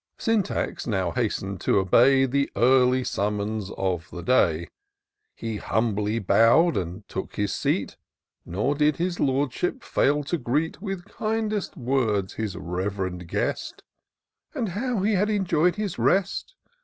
Syntax now hasten*d to obey The early summons of the day. He humbly bow'd, and took his seat ; Nor did his Lordship fail to greet With kindest words his rev'rend guest — As — How he had enioy'd his rest